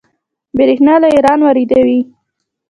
بریښنا له ایران واردوي